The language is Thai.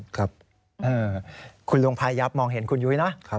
ครับคุณลุงพายับมองเห็นคุณยุ้ยนะ